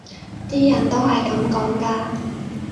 啲人都係噉講㗎